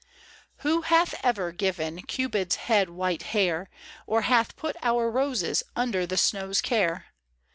WHO hath ever given Cupid^s head white hair, Or hath put our roses Under the snow*s care